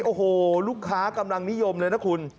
โอ้โหลูกค้ากำลังนิยมเลยนะคุณ